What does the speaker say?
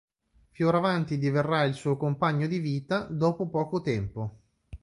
Fioravanti diverrà il suo compagno di vita, dopo poco tempo.